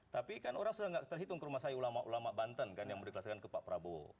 tapi kan orang sudah tidak terhitung ke rumah saya ulama ulama banten kan yang mendeklarasikan ke pak prabowo